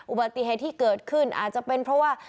อุบัติเหตุที่เกิดขึ้นอาจจะเป็นเพราะว่า